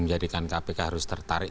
menjadikan kpk harus tertarik